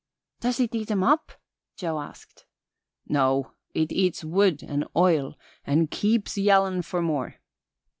"Does it eat 'em up?" Joe asked. "No. It eats wood and oil and keeps yellin' for more.